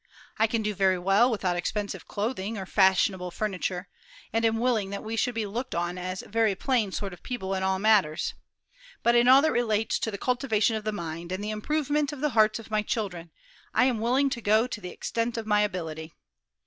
I can do very well without expensive clothing or fashionable furniture, and am willing that we should be looked on as very plain sort of people in all such matters; but in all that relates to the cultivation of the mind, and the improvement of the hearts of my children, I am willing to go to the extent of my ability.